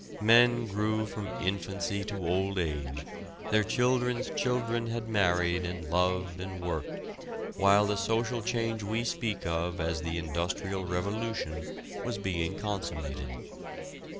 Men grew from infancy to old age, their children's children had married and loved and worked while the social change we speak of as the industrial revolution was being consummated.